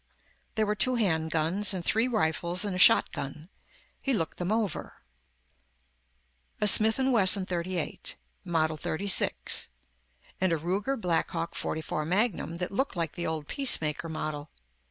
There were two handguns and three rifles and a shotgun. He looked them over. A Smith and Wesson .38, model 36 and a Ruger Blackhawk .44 Magnum that looked like the old peacemaker model.